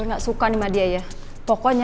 with ribu saudara apa ekornya